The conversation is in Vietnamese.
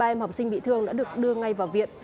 hai em học sinh bị thương đã được đưa ngay vào viện